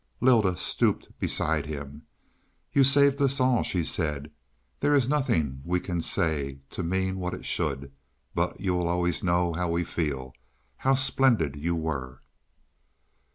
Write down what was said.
Lylda stooped beside him, "You saved us all," she said. "There is nothing we can say to mean what it should. But you will always know how we feel; how splendid you were."